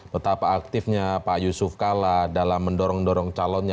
betapa aktifnya pak yusuf kalla dalam mendorong dorong calonnya